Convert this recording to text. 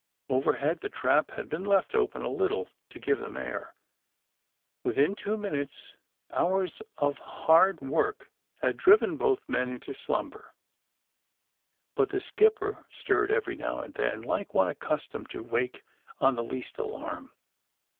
Overhead, the trap had been left open a little, to give them air. Within two minutes, hours of hard work had 90 THE SUBMAEINE BOYS driven *bot}i men into slumber. But tlie skipper stirred, every now and then, like one accustomed to wake on the least alarm.